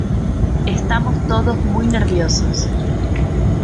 estamos todos muy nerviosos.